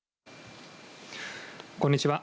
こんにちは。